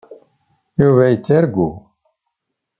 Yuba yettargu.